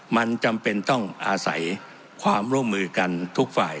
มันจำเป็นต้องอาศัยความร่วมมือกันทุกฝ่าย